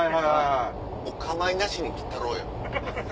お構いなしに切ったろうよ。